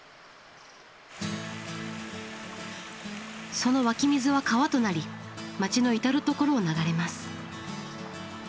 その湧き水は川となり街の至る所を流れます。